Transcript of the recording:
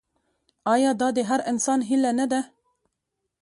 آیا دا د هر انسان هیله نه ده؟